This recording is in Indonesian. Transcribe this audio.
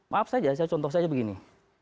maaf saja contoh saya begini